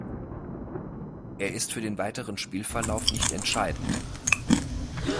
Er ist für den weiteren Spielverlauf nicht entscheidend.